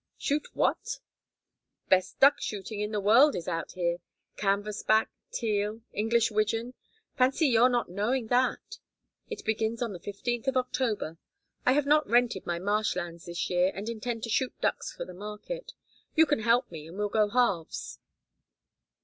"Shoot what?" "Best duck shooting in the world is out here canvas back, teal, English widgeon fancy your not knowing that. It begins on the fifteenth of October. I have not rented my marsh lands this year, and intend to shoot ducks for the market. You can help me and we'll go halves."